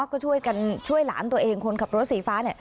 ก็ช่วยกันช่วยหลานตัวเองคนขับรถสีฟ้า